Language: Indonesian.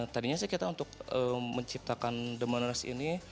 tadinya sih kita untuk menciptakan the monoros ini